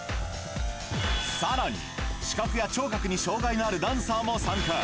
さらに、視覚や聴覚に障がいのあるダンサーも参加。